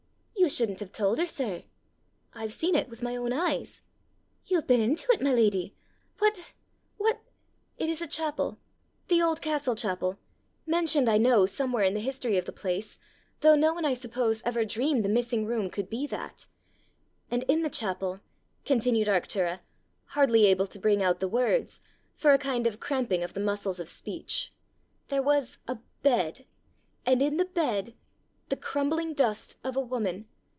"You shouldn't have told her, sir!" "I've seen it with my own eyes!" "You've been into it, my leddy? What what ?" "It is a chapel the old castle chapel mentioned, I know, somewhere in the history of the place, though no one, I suppose, ever dreamed the missing room could be that! And in the chapel," continued Arctura, hardly able to bring out the words, for a kind of cramping of the muscles of speech, "there was a bed! and in the bed the crumbling dust of a woman!